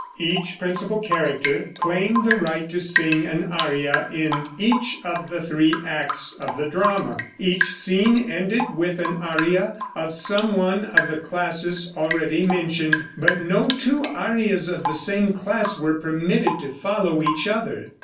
Each principal character claimed the right to sing an aria in each of the three acts of the drama. Each scene ended with an aria of some one of the classes already mentioned, but no two arias of the same class were permitted to follow each other.